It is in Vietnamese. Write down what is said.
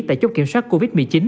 tại chốc kiểm soát covid một mươi chín